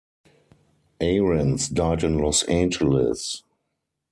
Arens died in Los Angeles.